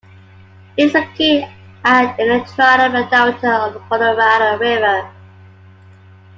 It is located at in the dried-up delta of the Colorado River.